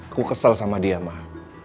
aku kesel sama dia mah